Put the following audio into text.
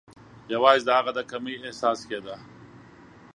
یوازي د هغه د کمۍ احساس کېده.